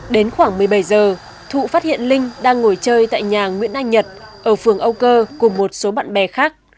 đến khoảng một mươi bảy giờ thụ phát hiện linh đang ngồi chơi tại nhà nguyễn anh nhật ở phường âu cơ cùng một số bạn bè khác